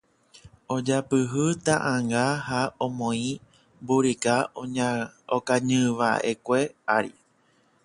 ojapyhy ta'ãnga ha omoĩ mburika okañyva'ekue ári